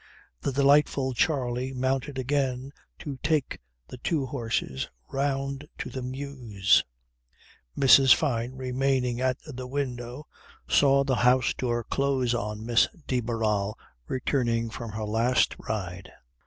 The delightful Charley mounted again to take the two horses round to the mews. Mrs. Fyne remaining at the window saw the house door close on Miss de Barral returning from her last ride.